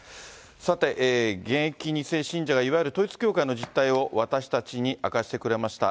さて、現役２世信者がいわゆる統一教会の実態を私たちに明かしてくれました。